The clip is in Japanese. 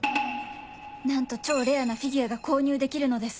なんと超レアなフィギュアが購入できるのです！